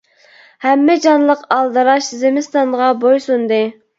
ھەممە جانلىق ئالدىراش، زىمىستانغا بوي سۇندى.